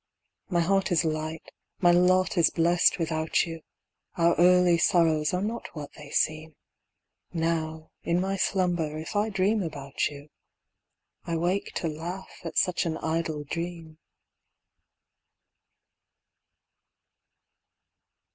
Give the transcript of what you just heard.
My heart is light, my lot is blest without you, Our early sorrows are not what they seem, Now in my slumber, if I dream about you I wake to laugh at such an idle dream.